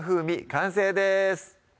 完成です